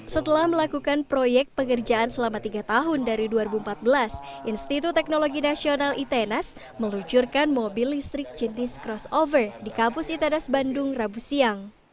setelah melakukan proyek pengerjaan selama tiga tahun dari dua ribu empat belas institut teknologi nasional itenes meluncurkan mobil listrik jenis crossover di kampus itenes bandung rabu siang